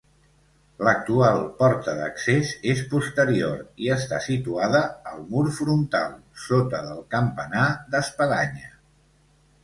L'actual porta d'accés és posterior, i està situada al mur frontal, sota del campanar d'espadanya.